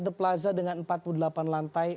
the plaza dengan empat puluh delapan lantai